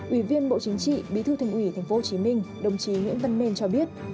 ủy viên bộ chính trị bí thư thành ủy tp hcm đồng chí nguyễn văn mên cho biết